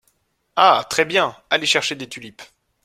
Ah ! très bien !… allez chercher des tulipes…